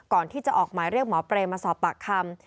ก่อนที่จะออกหมายเรียกหมอเปรย์มาสอบปากคำ